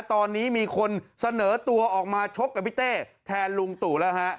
ตอนนี้มีคนเสนอตัวออกมาชกกับพี่เต้แทนลุงตู่แล้วฮะ